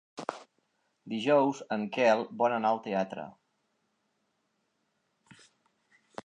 Dijous en Quel vol anar al teatre.